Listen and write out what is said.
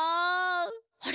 あれ？